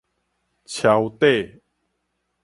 搜底